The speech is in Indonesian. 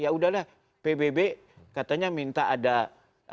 ya udahlah pbb katanya minta ada